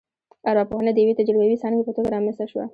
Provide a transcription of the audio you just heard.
ارواپوهنه د یوې تجربوي ځانګې په توګه رامنځته شوه